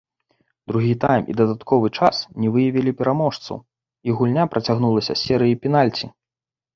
Другі тайм і дадатковы час не выявілі пераможцу, і гульня працягнулася серыяй пенальці.